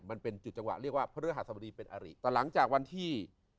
มันเป็นจุดจังหวะเรียกว่าพระฤหัสบดีเป็นอริแต่หลังจากวันที่